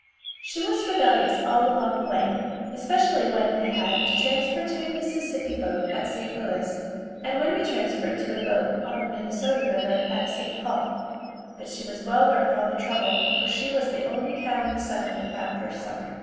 She was rebellious all along the way, especially when we had to transfer to a Mississippi boat at St. Louis, and when we transferred to a boat on the Minnesota river at St. Paul, but she was well worth all the trouble for she was the only cow in the settlement that first summer.